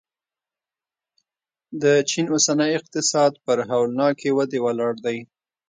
د چین اوسنی اقتصاد پر هولناکې ودې ولاړ دی.